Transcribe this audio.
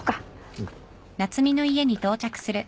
うん。